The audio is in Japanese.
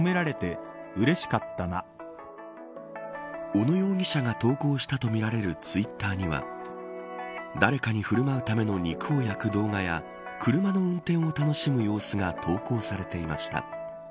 小野容疑者が投稿したとみられるツイッターには誰かに振る舞うための肉を焼く動画や車の運転を楽しむ様子が投稿されていました。